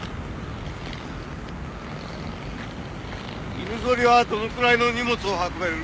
犬ぞりはどのくらいの荷物を運べる？